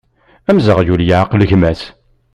Amzeɣyul yeɛqel gma-s.